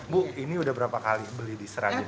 bu ini udah berapa kali beli di serabi noto suman